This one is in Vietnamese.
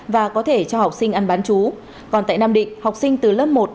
và có thể cho học sinh ăn bán chú